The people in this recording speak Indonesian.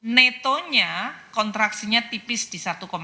netonya kontraksinya tipis di satu empat